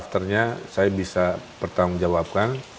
afternya saya bisa bertanggung jawabkan